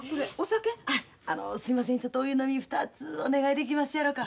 あのすいませんちょっとお湯飲み２つお願いできますやろか。